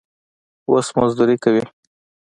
اوس مزدوري کوي.